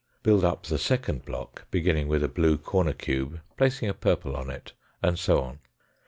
Build up the second block, beginning with a blue corner cube, placing a purple on it, and so on.